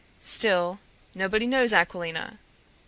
Still, nobody knows Aquilina.